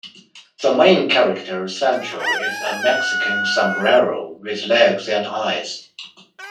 The main character, Sancho, is a Mexican sombrero with legs and eyes.